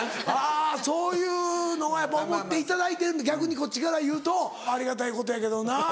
あぁそういうのはやっぱ思っていただいて逆にこっちからいうとありがたいことやけどな。